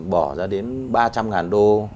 bỏ ra đến ba trăm linh ngàn đô